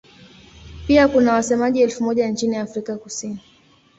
Pia kuna wasemaji elfu moja nchini Afrika Kusini.